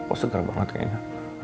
oh segar banget kayaknya